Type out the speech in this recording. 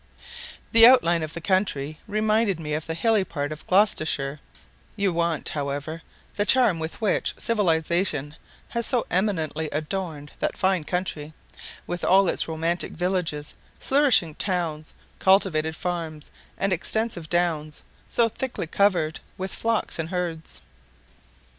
The outline of the country reminded me of the hilly part of Gloucestershire; you want, however, the charm with which civilization has so eminently adorned that fine county, with all its romantic villages, flourishing towns, cultivated farms, and extensive downs, so thickly covered with flocks and herds.